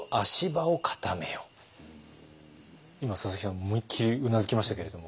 今佐々木さん思いっきりうなずきましたけれども。